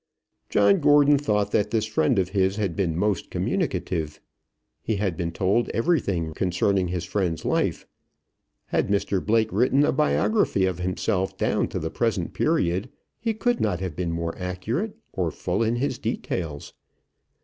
John Gordon thought that this friend of his had been most communicative. He had been told everything concerning his friend's life. Had Mr Blake written a biography of himself down to the present period, he could not have been more full or accurate in his details.